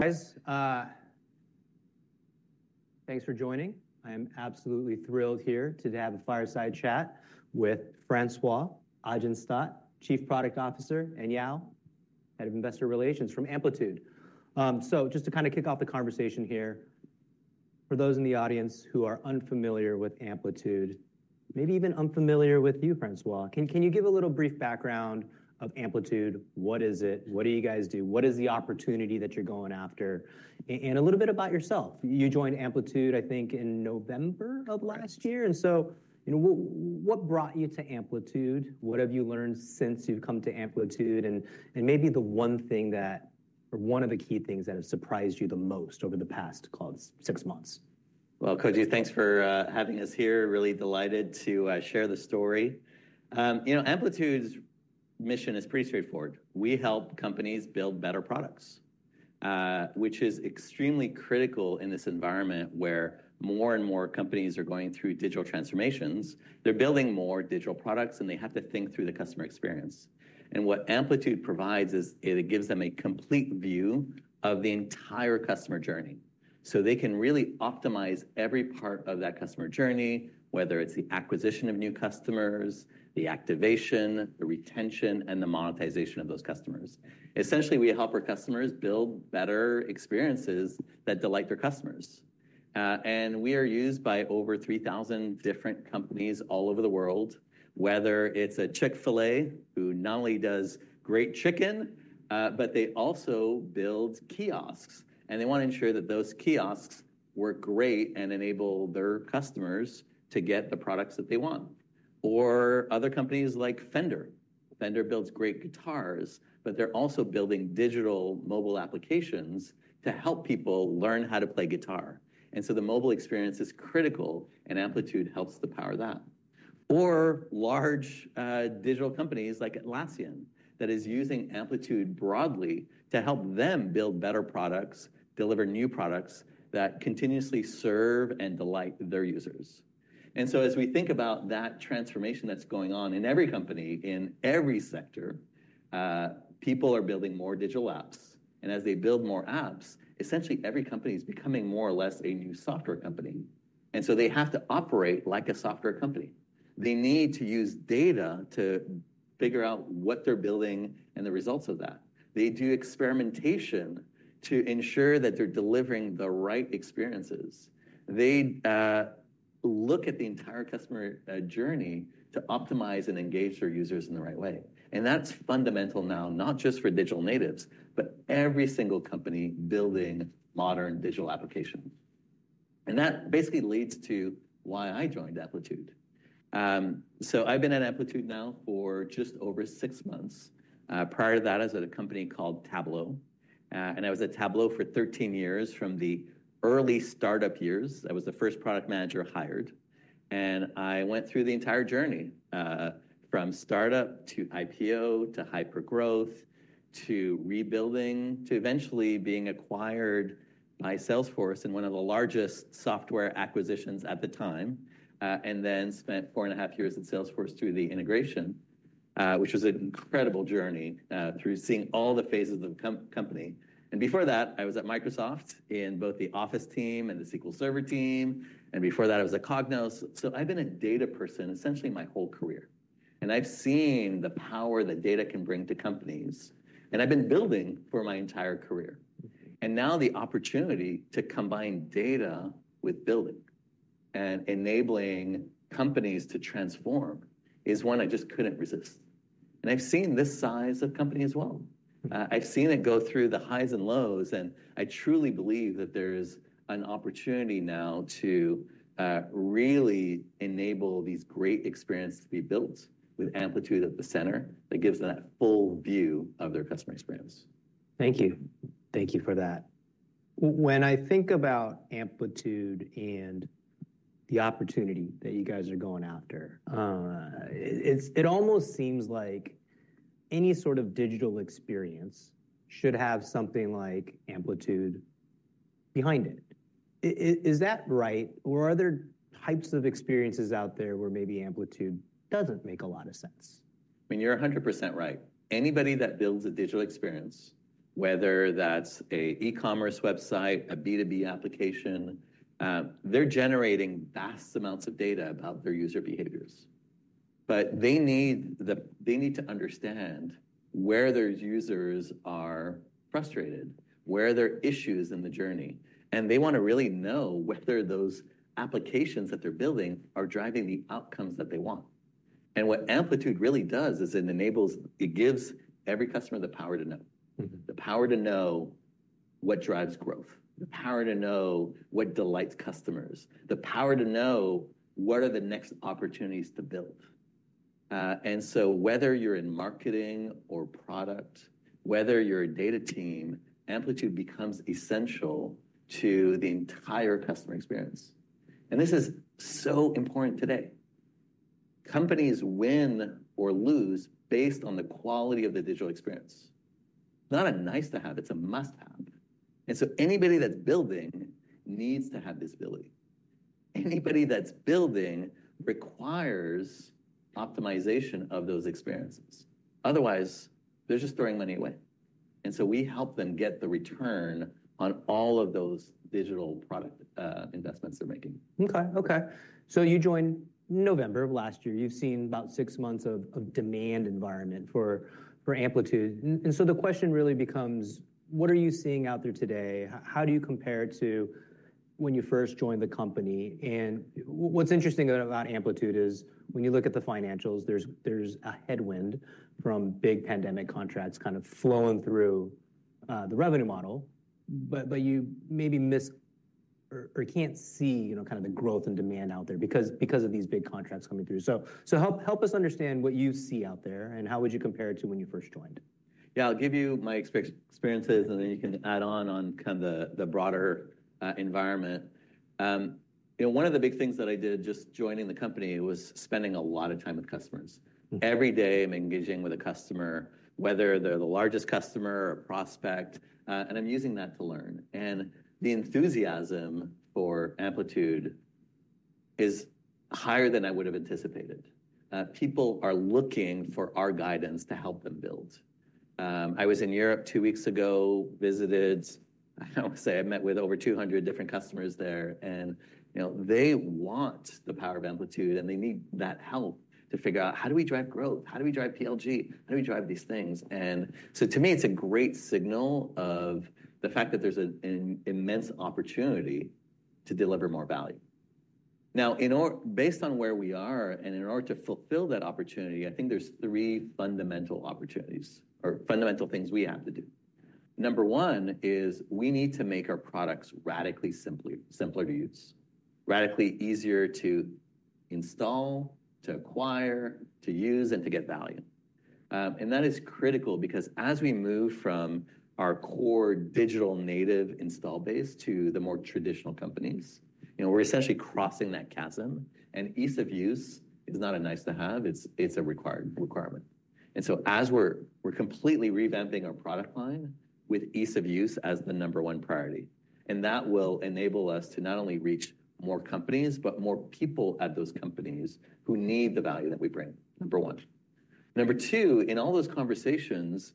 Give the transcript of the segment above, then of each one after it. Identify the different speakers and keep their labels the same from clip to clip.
Speaker 1: Guys, thanks for joining. I am absolutely thrilled here today to have a fireside chat with François Ajenstat, Chief Product Officer, and Yaoxian, Head of Investor Relations from Amplitude. So just to kind of kick off the conversation here, for those in the audience who are unfamiliar with Amplitude, maybe even unfamiliar with you, François, can you give a little brief background of Amplitude? What is it? What do you guys do? What is the opportunity that you're going after, and a little bit about yourself. You joined Amplitude, I think, in November of last year, and so, you know, what brought you to Amplitude? What have you learned since you've come to Amplitude, and maybe the one thing that, or one of the key things that has surprised you the most over the past, call it, six months.
Speaker 2: Well, Koji, thanks for having us here. Really delighted to share the story. You know, Amplitude's mission is pretty straightforward. We help companies build better products, which is extremely critical in this environment where more and more companies are going through digital transformations. They're building more digital products, and they have to think through the customer experience. And what Amplitude provides is, it gives them a complete view of the entire customer journey, so they can really optimize every part of that customer journey, whether it's the acquisition of new customers, the activation, the retention, and the monetization of those customers. Essentially, we help our customers build better experiences that delight their customers. and we are used by over 3,000 different companies all over the world, whether it's a Chick-fil-A, who not only does great chicken, but they also build kiosks, and they want to ensure that those kiosks work great and enable their customers to get the products that they want. Or other companies like Fender. Fender builds great guitars, but they're also building digital mobile applications to help people learn how to play guitar. And so the mobile experience is critical, and Amplitude helps to power that. Or large, digital companies like Atlassian, that is using Amplitude broadly to help them build better products, deliver new products, that continuously serve and delight their users. And so as we think about that transformation that's going on in every company, in every sector, people are building more digital apps. As they build more apps, essentially every company is becoming more or less a new software company, and so they have to operate like a software company. They need to use data to figure out what they're building and the results of that. They do experimentation to ensure that they're delivering the right experiences. They look at the entire customer journey to optimize and engage their users in the right way. That's fundamental now, not just for digital natives, but every single company building modern digital application. That basically leads to why I joined Amplitude. So I've been at Amplitude now for just over six months. Prior to that, I was at a company called Tableau, and I was at Tableau for 13 years, from the early startup years. I was the first product manager hired, and I went through the entire journey from startup to IPO, to hypergrowth, to rebuilding, to eventually being acquired by Salesforce in one of the largest software acquisitions at the time. And then spent four and a half years at Salesforce through the integration, which was an incredible journey through seeing all the phases of the company. And before that, I was at Microsoft in both the Office team and the SQL Server team, and before that, I was at Cognos. So I've been a data person essentially my whole career, and I've seen the power that data can bring to companies, and I've been building for my entire career. And now the opportunity to combine data with building and enabling companies to transform is one I just couldn't resist. I've seen this size of company as well. I've seen it go through the highs and lows, and I truly believe that there is an opportunity now to really enable these great experiences to be built with Amplitude at the center, that gives them that full view of their customer experience.
Speaker 1: Thank you. Thank you for that. When I think about Amplitude and the opportunity that you guys are going after, it almost seems like any sort of digital experience should have something like Amplitude behind it. Is that right, or are there types of experiences out there where maybe Amplitude doesn't make a lot of sense?
Speaker 2: I mean, you're 100% right. Anybody that builds a digital experience, whether that's an e-commerce website, a B2B application, they're generating vast amounts of data about their user behaviors. But they need the, they need to understand where their users are frustrated, where are there issues in the journey, and they want to really know whether those applications that they're building are driving the outcomes that they want. And what Amplitude really does is it enables, it gives every customer the power to know.
Speaker 1: Mm-hmm.
Speaker 2: The power to know what drives growth, the power to know what delights customers, the power to know what are the next opportunities to build. And so whether you're in marketing or product, whether you're a data team, Amplitude becomes essential to the entire customer experience. And this is so important today. Companies win or lose based on the quality of the digital experience. Not a nice-to-have, it's a must-have. And so anybody that's building needs to have this ability.... Anybody that's building requires optimization of those experiences. Otherwise, they're just throwing money away. And so we help them get the return on all of those digital product, investments they're making.
Speaker 1: Okay. So you joined November of last year. You've seen about six months of demand environment for Amplitude. And so the question really becomes: What are you seeing out there today? How do you compare it to when you first joined the company? And what's interesting about Amplitude is, when you look at the financials, there's a headwind from big pandemic contracts kind of flowing through the revenue model. But you maybe miss or can't see, you know, kind of the growth and demand out there because of these big contracts coming through. So help us understand what you see out there, and how would you compare it to when you first joined?
Speaker 2: Yeah, I'll give you my experiences, and then you can add on kind of the broader environment. You know, one of the big things that I did just joining the company was spending a lot of time with customers.
Speaker 1: Mm-hmm.
Speaker 2: Every day, I'm engaging with a customer, whether they're the largest customer or prospect, and I'm using that to learn. The enthusiasm for Amplitude is higher than I would've anticipated. People are looking for our guidance to help them build. I was in Europe two weeks ago, visited. I want to say I met with over 200 different customers there, and, you know, they want the power of Amplitude, and they need that help to figure out, "How do we drive growth? How do we drive PLG? How do we drive these things?" So to me, it's a great signal of the fact that there's an immense opportunity to deliver more value. Now, based on where we are, and in order to fulfill that opportunity, I think there's three fundamental opportunities or fundamental things we have to do. Number 1 is, we need to make our products radically simpler to use, radically easier to install, to acquire, to use, and to get value. And that is critical because as we move from our core digital native install base to the more traditional companies, you know, we're essentially crossing that chasm, and ease of use is not a nice-to-have, it's, it's a required requirement. And so as we're completely revamping our product line with ease of use as the number one priority, and that will enable us to not only reach more companies, but more people at those companies who need the value that we bring, Number 1. Number 2, in all those conversations,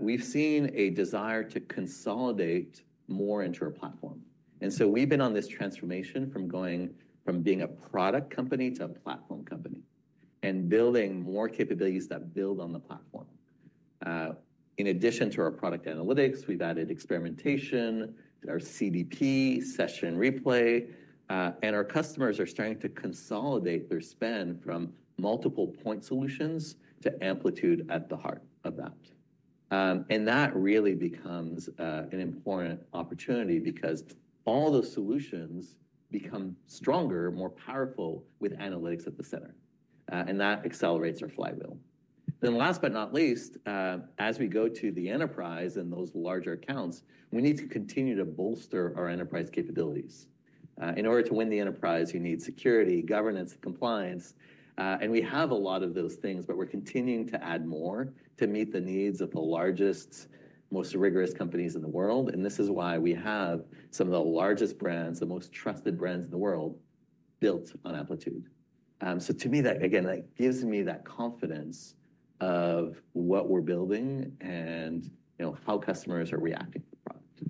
Speaker 2: we've seen a desire to consolidate more into our platform. And so we've been on this transformation from going from being a product company to a platform company and building more capabilities that build on the platform. In addition to our product analytics, we've added experimentation, our CDP, session replay, and our customers are starting to consolidate their spend from multiple point solutions to Amplitude at the heart of that. And that really becomes an important opportunity because all those solutions become stronger, more powerful with analytics at the center, and that accelerates our flywheel. Then last but not least, as we go to the enterprise and those larger accounts, we need to continue to bolster our enterprise capabilities. In order to win the enterprise, you need security, governance, compliance, and we have a lot of those things, but we're continuing to add more to meet the needs of the largest, most rigorous companies in the world, and this is why we have some of the largest brands, the most trusted brands in the world, built on Amplitude. So to me, that, again, that gives me that confidence of what we're building and, you know, how customers are reacting to the product.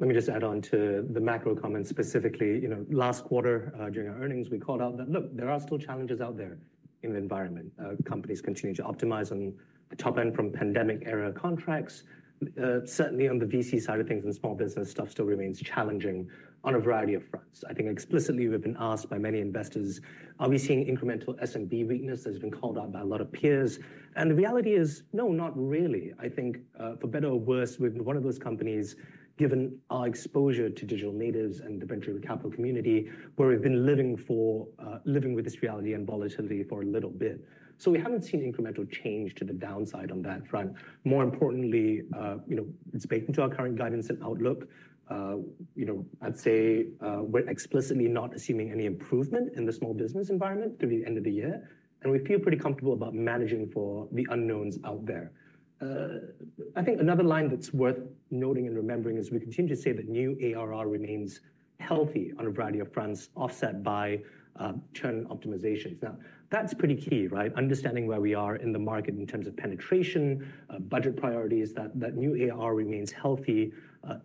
Speaker 3: Let me just add on to the macro comment. Specifically, you know, last quarter, during our earnings, we called out that, look, there are still challenges out there in the environment. Companies continue to optimize on the top end from pandemic-era contracts. Certainly on the VC side of things and small business stuff still remains challenging on a variety of fronts. I think explicitly, we've been asked by many investors: Are we seeing incremental SMB weakness that has been called out by a lot of peers? And the reality is, no, not really. I think, for better or worse, we've been one of those companies, given our exposure to digital natives and the venture capital community, where we've been living with this reality and volatility for a little bit. So we haven't seen incremental change to the downside on that front. More importantly, you know, speaking to our current guidance and outlook, you know, I'd say, we're explicitly not assuming any improvement in the small business environment through the end of the year, and we feel pretty comfortable about managing for the unknowns out there. I think another line that's worth noting and remembering is we continue to say that new ARR remains healthy on a variety of fronts, offset by churn optimizations. Now, that's pretty key, right? Understanding where we are in the market in terms of penetration, budget priorities, that new ARR remains healthy,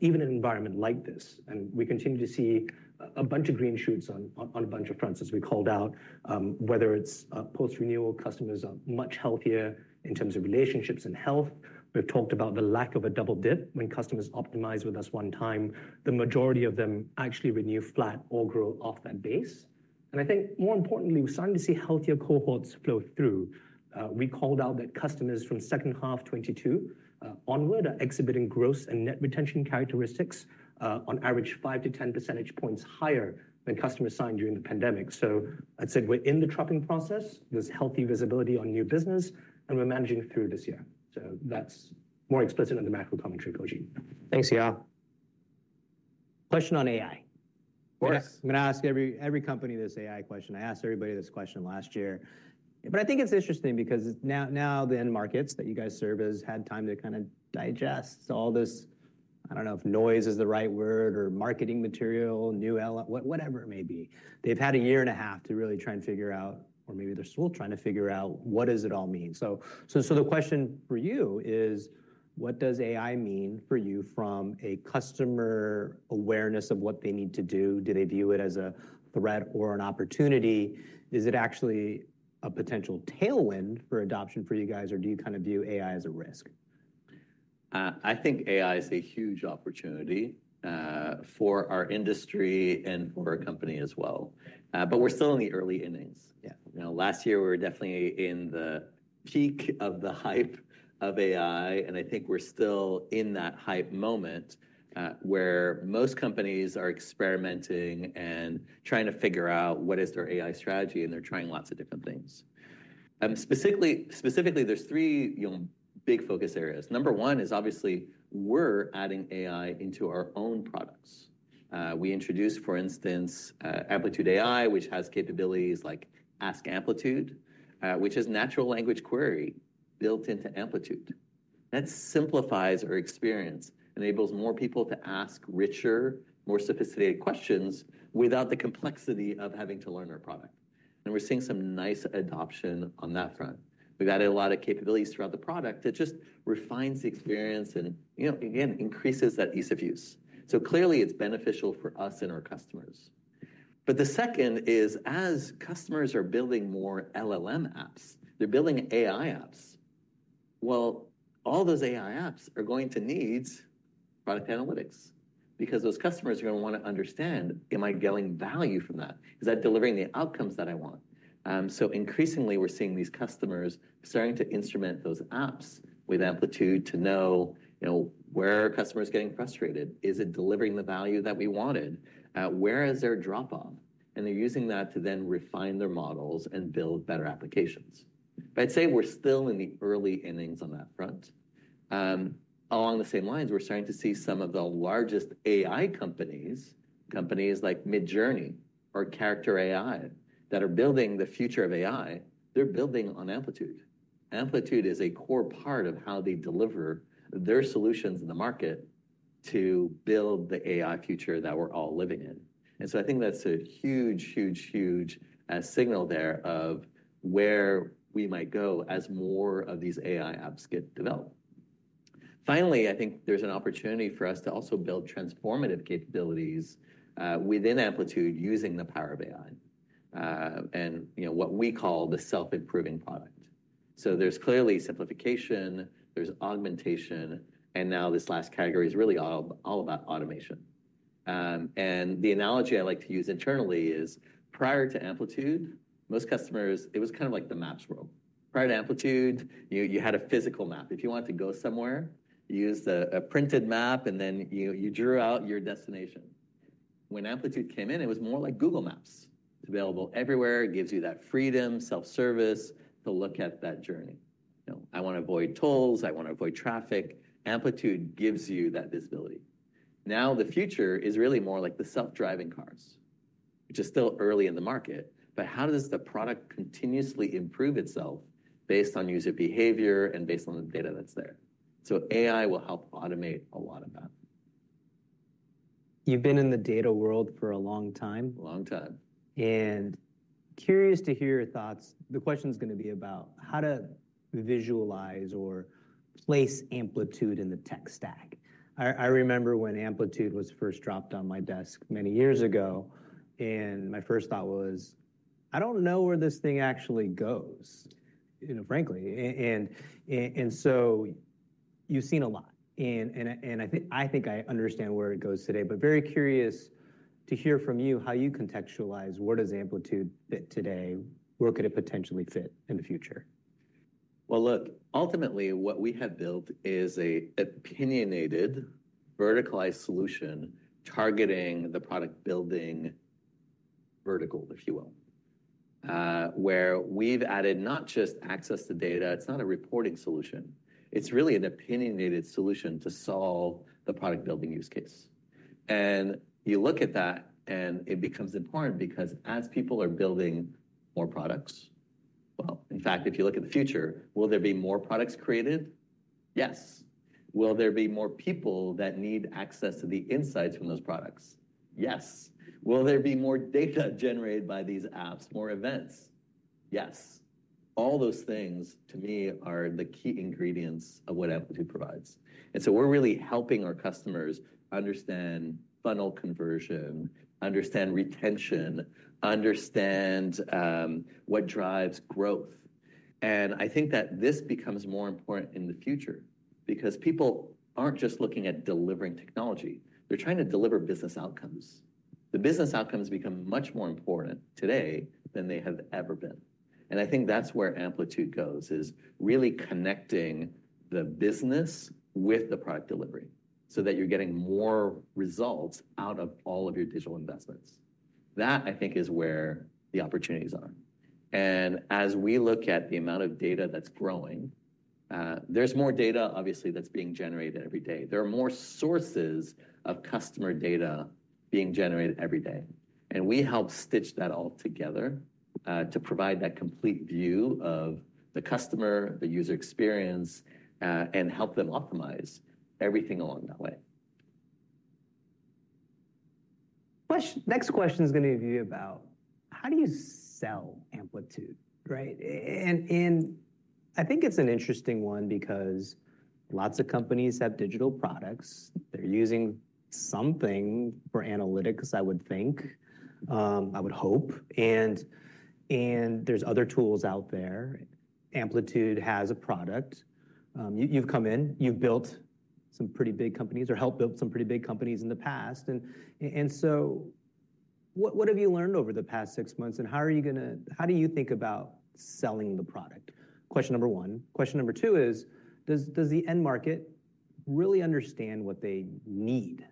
Speaker 3: even in an environment like this. And we continue to see a bunch of green shoots on a bunch of fronts, as we called out, whether it's post-renewal customers are much healthier in terms of relationships and health. We've talked about the lack of a double dip. When customers optimize with us one time, the majority of them actually renew flat or grow off that base. And I think more importantly, we're starting to see healthier cohorts flow through. We called out that customers from second half 2022 onward are exhibiting gross and net retention characteristics, on average, 5-10 percentage points higher than customers signed during the pandemic. So I'd say we're in the trapping process, there's healthy visibility on new business, and we're managing through this year. So that's more explicit on the macro commentary, Koji.
Speaker 1: Thanks, y'all. Question on AI.
Speaker 2: Of course.
Speaker 1: I'm going to ask every company this AI question. I asked everybody this question last year. But I think it's interesting because now the end markets that you guys serve has had time to kind of digest all this. I don't know if noise is the right word or marketing material, whatever it may be. They've had a year and a half to really try and figure out, or maybe they're still trying to figure out, what does it all mean? So the question for you is: what does AI mean for you from a customer awareness of what they need to do? Do they view it as a threat or an opportunity? Is it actually a potential tailwind for adoption for you guys, or do you kind of view AI as a risk?
Speaker 2: I think AI is a huge opportunity for our industry and for our company as well. But we're still in the early innings.
Speaker 1: Yeah.
Speaker 2: You know, last year, we were definitely in the peak of the hype of AI, and I think we're still in that hype moment, where most companies are experimenting and trying to figure out what is their AI strategy, and they're trying lots of different things. Specifically, there's three, you know, big focus areas. Number one is obviously, we're adding AI into our own products. We introduced, for instance, Amplitude AI, which has capabilities like Ask Amplitude, which is natural language query built into Amplitude. That simplifies our experience, enables more people to ask richer, more sophisticated questions without the complexity of having to learn our product. And we're seeing some nice adoption on that front. We've added a lot of capabilities throughout the product that just refines the experience and, you know, again, increases that ease of use. So clearly, it's beneficial for us and our customers. But the second is, as customers are building more LLM apps, they're building AI apps. Well, all those AI apps are going to need product analytics because those customers are gonna want to understand: am I getting value from that? Is that delivering the outcomes that I want? So increasingly, we're seeing these customers starting to instrument those apps with Amplitude to know, you know, where are customers getting frustrated? Is it delivering the value that we wanted? Where is their drop-off? And they're using that to then refine their models and build better applications. But I'd say we're still in the early innings on that front. Along the same lines, we're starting to see some of the largest AI companies, companies like Midjourney or Character.AI, that are building the future of AI, they're building on Amplitude. Amplitude is a core part of how they deliver their solutions in the market to build the AI future that we're all living in. I think that's a huge, huge, huge, signal there of where we might go as more of these AI apps get developed. Finally, I think there's an opportunity for us to also build transformative capabilities, within Amplitude using the power of AI, and, you know, what we call the self-improving product. There's clearly simplification, there's augmentation, and now this last category is really all, all about automation. The analogy I like to use internally is, prior to Amplitude, most customers, it was kind of like the maps world. Prior to Amplitude, you had a physical map. If you wanted to go somewhere, you used a printed map, and then you drew out your destination. When Amplitude came in, it was more like Google Maps. It's available everywhere, it gives you that freedom, self-service, to look at that journey. You know, I wanna avoid tolls, I wanna avoid traffic. Amplitude gives you that visibility. Now, the future is really more like the self-driving cars, which is still early in the market, but how does the product continuously improve itself based on user behavior and based on the data that's there? So AI will help automate a lot of that.
Speaker 1: You've been in the data world for a long time.
Speaker 2: Long time.
Speaker 1: Curious to hear your thoughts. The question's gonna be about how to visualize or place Amplitude in the tech stack. I remember when Amplitude was first dropped on my desk many years ago, and my first thought was: I don't know where this thing actually goes, you know, frankly. And so you've seen a lot, and I think I understand where it goes today, but very curious to hear from you how you contextualize what does Amplitude fit today? Where could it potentially fit in the future?
Speaker 2: Well, look, ultimately, what we have built is an opinionated, verticalized solution targeting the product building vertical, if you will. Where we've added not just access to data, it's not a reporting solution. It's really an opinionated solution to solve the product-building use case. And you look at that, and it becomes important because as people are building more products... Well, in fact, if you look at the future, will there be more products created? Yes. Will there be more people that need access to the insights from those products? Yes. Will there be more data generated by these apps, more events? Yes. All those things, to me, are the key ingredients of what Amplitude provides. And so we're really helping our customers understand funnel conversion, understand retention, understand what drives growth. I think that this becomes more important in the future because people aren't just looking at delivering technology, they're trying to deliver business outcomes. The business outcomes become much more important today than they have ever been. And I think that's where Amplitude goes, is really connecting the business with the product delivery so that you're getting more results out of all of your digital investments. That, I think, is where the opportunities are. And as we look at the amount of data that's growing, there's more data, obviously, that's being generated every day. There are more sources of customer data being generated every day, and we help stitch that all together, to provide that complete view of the customer, the user experience, and help them optimize everything along that way.
Speaker 1: Next question is going to be about how do you sell Amplitude, right? And I think it's an interesting one because lots of companies have digital products. They're using something for analytics, I would think, I would hope. And there's other tools out there. Amplitude has a product. You've come in, you've built some pretty big companies or helped build some pretty big companies in the past. And so, what have you learned over the past six months, and how do you think about selling the product? Question number one. Question number two is, does the end market really understand what they need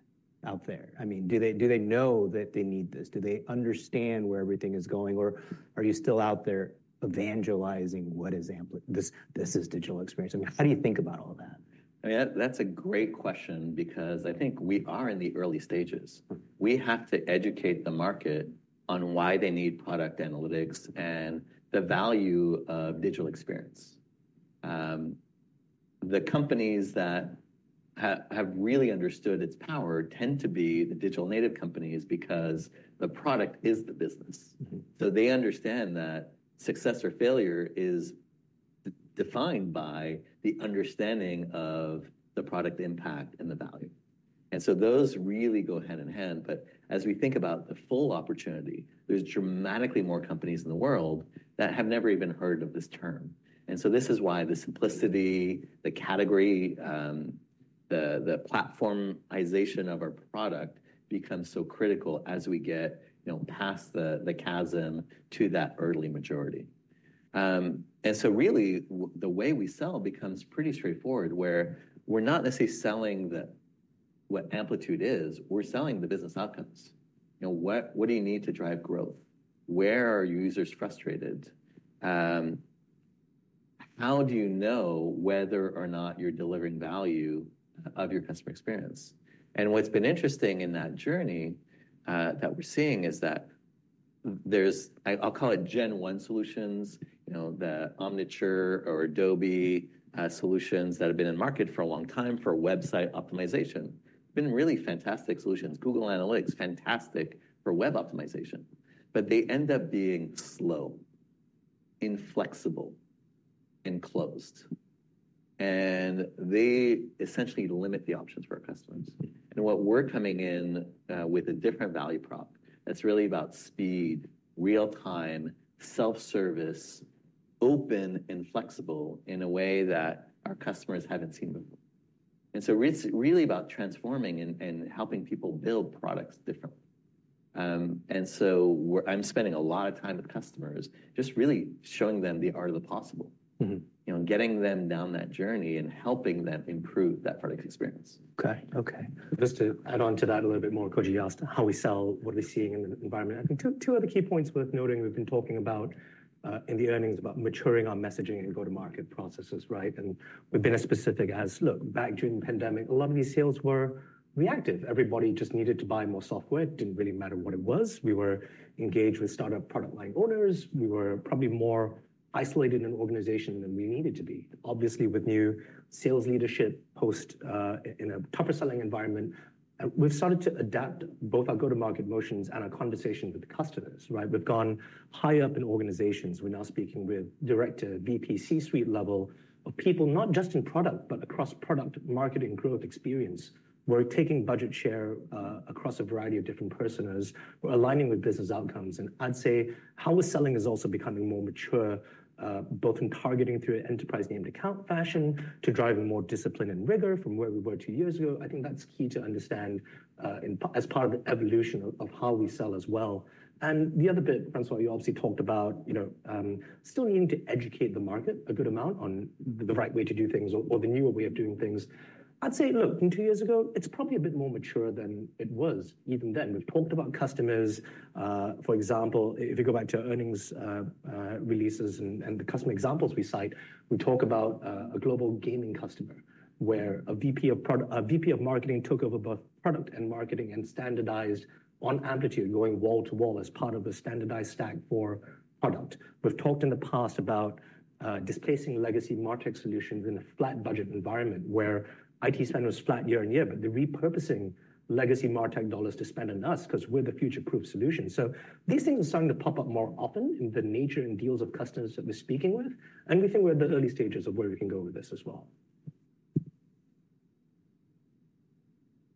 Speaker 1: out there? I mean, do they know that they need this? Do they understand where everything is going, or are you still out there evangelizing what is Amplitude—this, this is digital experience? I mean, how do you think about all that?
Speaker 2: I mean, that, that's a great question because I think we are in the early stages. We have to educate the market on why they need product analytics and the value of digital experience. The companies that have really understood its power tend to be the digital native companies because the product is the business.
Speaker 1: Mm-hmm.
Speaker 2: So they understand that success or failure is defined by the understanding of the product impact and the value. And so those really go hand in hand. But as we think about the full opportunity, there's dramatically more companies in the world that have never even heard of this term. And so this is why the simplicity, the category, the platformization of our product becomes so critical as we get, you know, past the chasm to that early majority. And so really, the way we sell becomes pretty straightforward, where we're not necessarily selling what Amplitude is, we're selling the business outcomes. You know, what do you need to drive growth? Where are your users frustrated? How do you know whether or not you're delivering value of your customer experience? And what's been interesting in that journey, that we're seeing is that there's, I'll call it Gen One solutions, you know, the Omniture or Adobe solutions that have been in the market for a long time for website optimization. Been really fantastic solutions. Google Analytics, fantastic for web optimization. But they end up being slow, inflexible, and closed, and they essentially limit the options for our customers.
Speaker 1: Mm.
Speaker 2: And what we're coming in with a different value prop, that's really about speed, real time, self-service, open and flexible in a way that our customers haven't seen before. And so it's really about transforming and helping people build products differently. And so I'm spending a lot of time with customers, just really showing them the art of the possible.
Speaker 1: Mm-hmm.
Speaker 2: You know, getting them down that journey and helping them improve that product experience.
Speaker 1: Okay, okay.
Speaker 3: Just to add on to that a little bit more, Koji, as to how we sell, what are we seeing in the environment. I think two other key points worth noting, we've been talking about in the earnings about maturing our messaging and go-to-market processes, right? And we've been as specific as... Look, back during the pandemic, a lot of these sales were reactive. Everybody just needed to buy more software. It didn't really matter what it was. We were engaged with startup product line owners. We were probably more isolated in an organization than we needed to be. Obviously, with new sales leadership post in a tougher selling environment, we've started to adapt both our go-to-market motions and our conversation with the customers, right? We've gone higher up in organizations. We're now speaking with director, VP, C-suite level of people, not just in product, but across product, marketing, growth, experience. We're taking budget share across a variety of different personas. We're aligning with business outcomes. And I'd say how we're selling is also becoming more mature, both in targeting through an enterprise named account fashion, to driving more discipline and rigor from where we were two years ago. I think that's key to understand, as part of the evolution of how we sell as well. And the other bit, François, you obviously talked about, you know, still needing to educate the market a good amount on the right way to do things or the newer way of doing things. I'd say, look, from two years ago, it's probably a bit more mature than it was even then. We've talked about customers, for example, if you go back to earnings releases and the customer examples we cite, we talk about a global gaming customer, where a VP of marketing took over both product and marketing and standardized on Amplitude going wall to wall as part of a standardized stack for product. We've talked in the past about displacing legacy martech solutions in a flat budget environment, where IT spend was flat year-over-year, but they're repurposing legacy martech dollars to spend on us 'cause we're the future-proof solution. So these things are starting to pop up more often in the nature and deals of customers that we're speaking with, and we think we're in the early stages of where we can go with this as well.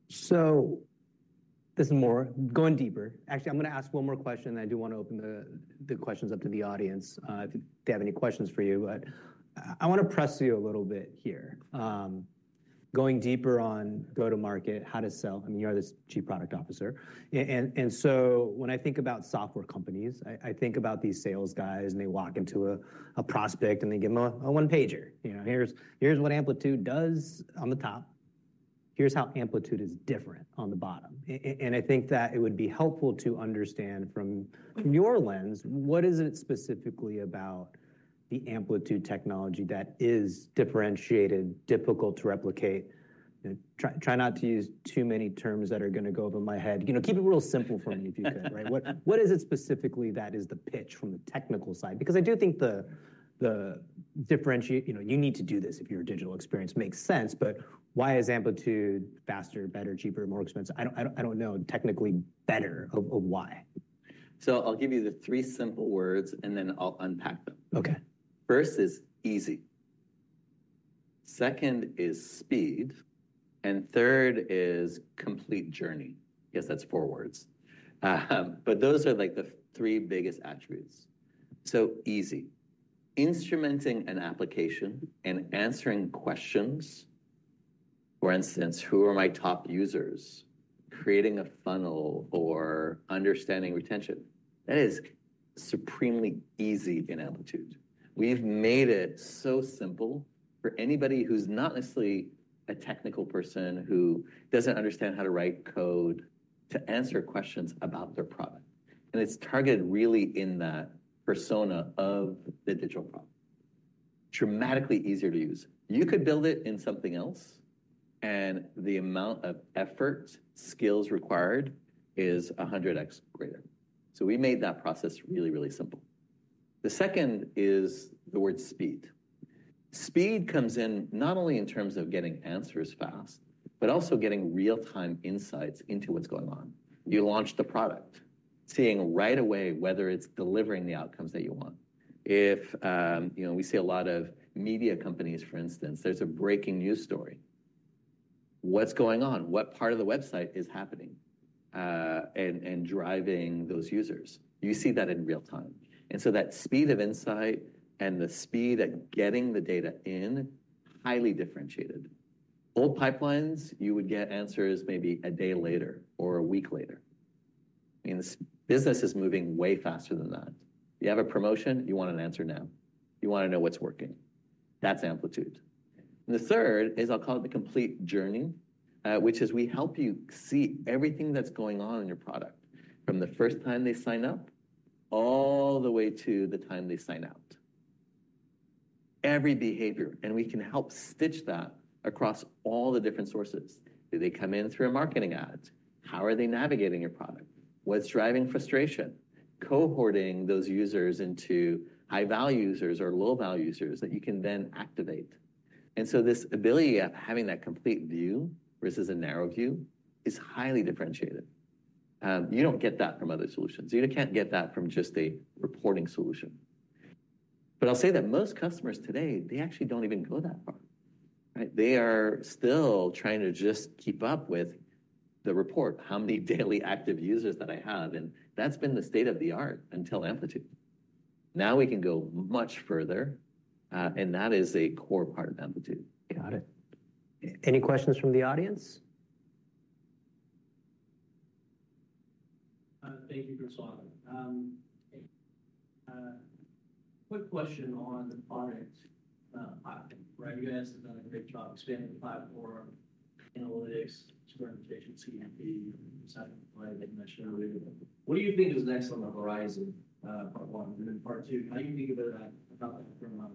Speaker 1: So this is more, going deeper. Actually, I'm gonna ask one more question, and I do want to open the, the questions up to the audience, if they have any questions for you. But I want to press you a little bit here. Going deeper on go-to-market, how to sell, I mean, you are the Chief Product Officer. And so when I think about software companies, I think about these sales guys, and they walk into a prospect, and they give them a one-pager. You know, "Here's what Amplitude does on the top. Here's how Amplitude is different on the bottom." And I think that it would be helpful to understand from your lens, what is it specifically about the Amplitude technology that is differentiated, difficult to replicate. Try not to use too many terms that are going to go over my head. You know, keep it real simple for me if you can, right? What is it specifically that is the pitch from the technical side? Because I do think the differentiator, you know, you need to do this if your digital experience makes sense, but why is Amplitude faster, better, cheaper, more expensive? I don't know, technically better or why.
Speaker 2: I'll give you the three simple words, and then I'll unpack them.
Speaker 1: Okay.
Speaker 2: First is easy, second is speed, and third is complete journey. Yes, that's four words. But those are, like, the three biggest attributes. So easy. Instrumenting an application and answering questions, for instance, who are my top users? Creating a funnel or understanding retention, that is supremely easy in Amplitude. We've made it so simple for anybody who's not necessarily a technical person, who doesn't understand how to write code, to answer questions about their product. And it's targeted really in that persona of the digital product. Dramatically easier to use. You could build it in something else, and the amount of effort, skills required is 100x greater. So we made that process really, really simple. The second is the word speed. Speed comes in not only in terms of getting answers fast, but also getting real-time insights into what's going on. You launch the product, seeing right away whether it's delivering the outcomes that you want. If, you know, we see a lot of media companies, for instance, there's a breaking news story. What's going on? What part of the website is happening, and driving those users? You see that in real time. And so that speed of insight and the speed at getting the data in, highly differentiated. Old pipelines, you would get answers maybe a day later or a week later. I mean, this business is moving way faster than that. You have a promotion, you want an answer now. You want to know what's working. That's Amplitude. The third is, I'll call it the complete journey, which is we help you see everything that's going on in your product, from the first time they sign up, all the way to the time they sign out. Every behavior, and we can help stitch that across all the different sources. Do they come in through a marketing ad? How are they navigating your product? What's driving frustration? Cohorting those users into high-value users or low-value users that you can then activate. And so this ability of having that complete view versus a narrow view is highly differentiated. You don't get that from other solutions. You can't get that from just a reporting solution. But I'll say that most customers today, they actually don't even go that far. Right? They are still trying to just keep up with the report, how many daily active users that I have, and that's been the state-of-the-art until Amplitude. Now, we can go much further, and that is a core part of Amplitude.
Speaker 1: Got it. Any questions from the audience?
Speaker 4: Thank you, Francois. Quick question on the product platform, right? You guys have done a great job expanding the platform, analytics, experimentation, CDP, session replay, like I mentioned earlier. What do you think is next on the horizon, part one? And then part two, how do you think about that, about that from a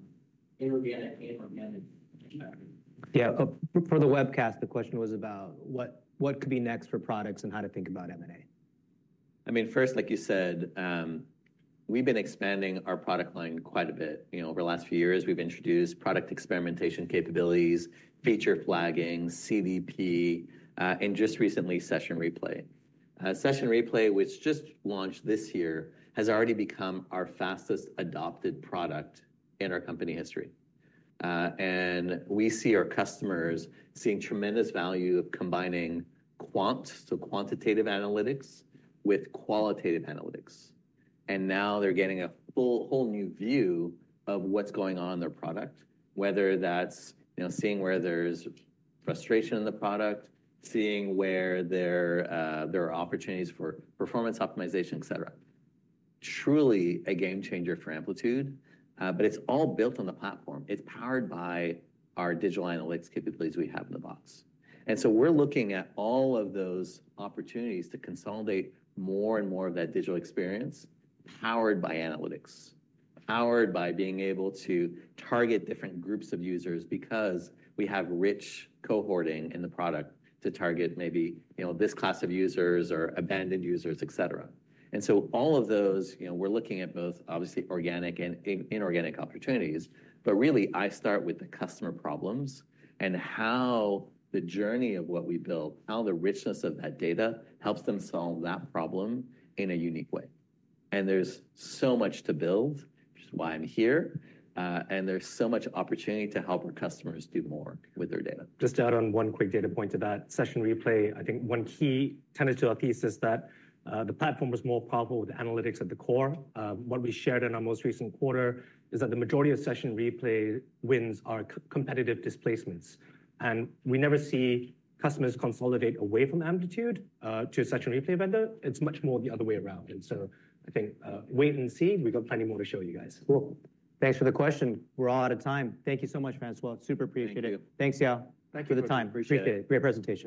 Speaker 4: inorganic and organic perspective?
Speaker 1: Yeah, for the webcast, the question was about what could be next for products and how to think about M&A.
Speaker 2: I mean, first, like you said, we've been expanding our product line quite a bit. You know, over the last few years, we've introduced product experimentation capabilities, feature flagging, CDP, and just recently, Session Replay. Session Replay, which just launched this year, has already become our fastest adopted product in our company history. And we see our customers seeing tremendous value of combining quant, so quantitative analytics, with qualitative analytics. And now they're getting a full, whole new view of what's going on in their product, whether that's, you know, seeing where there's frustration in the product, seeing where there are opportunities for performance optimization, et cetera. Truly a game changer for Amplitude, but it's all built on the platform. It's powered by our digital analytics capabilities we have in the box. And so we're looking at all of those opportunities to consolidate more and more of that digital experience, powered by analytics, powered by being able to target different groups of users because we have rich cohorting in the product to target maybe, you know, this class of users or abandoned users, et cetera. And so all of those, you know, we're looking at both obviously organic and inorganic opportunities. But really, I start with the customer problems and how the journey of what we built, how the richness of that data helps them solve that problem in a unique way. And there's so much to build, which is why I'm here, and there's so much opportunity to help our customers do more with their data.
Speaker 3: Just to add on one quick data point to that, Session Replay, I think one key tenet to our thesis is that, the platform was more powerful with analytics at the core. What we shared in our most recent quarter is that the majority of Session Replay wins are co-competitive displacements. And we never see customers consolidate away from Amplitude, to a Session Replay vendor. It's much more the other way around, and so I think, wait and see. We've got plenty more to show you guys.
Speaker 1: Cool. Thanks for the question. We're all out of time. Thank you so much, Francois. Super appreciate it.
Speaker 2: Thank you.
Speaker 1: Thanks, Yao-
Speaker 3: Thank you...
Speaker 1: for the time.
Speaker 3: Appreciate it.
Speaker 1: Great presentation.